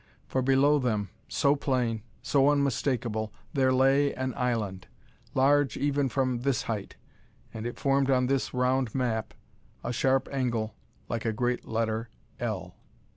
For below them, so plain, so unmistakable, there lay an island, large even from this height, and it formed on this round map a sharp angle like a great letter "L."